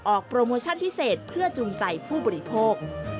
โปรโมชั่นพิเศษเพื่อจูงใจผู้บริโภค